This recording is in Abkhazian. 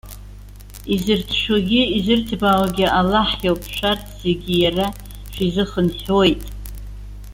Изырҭшәогьы, изырҭбаауагьы Аллаҳ иоуп, шәарҭ зегьы иара шәизыхынҳәуеит.